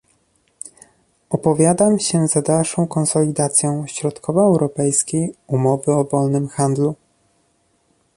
Opowiadam się za dalszą konsolidacją Środkowoeuropejskiej umowy o wolnym handlu